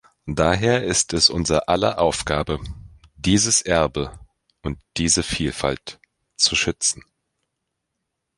Daher ist es unser aller Aufgabe, dieses Erbe und diese Vielfalt zu schützen.